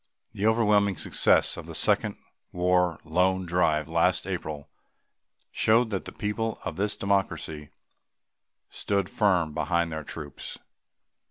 The overwhelming success of the Second War Loan Drive last April showed that the people of this Democracy stood firm behind their troops.